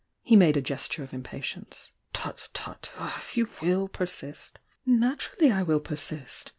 He made a gesture of impatience. __ "Tut, tut! If you wUl persist __ "Naturally I will persist!"